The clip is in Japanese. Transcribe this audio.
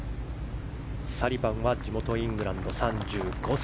サリバンは地元イングランド３５歳。